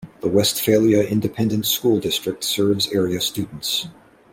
The Westphalia Independent School District serves area students.